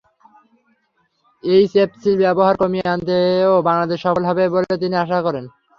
এইচএফসির ব্যবহার কমিয়ে আনতেও বাংলাদেশ সফল হবে বলে তিনি আশা করেন।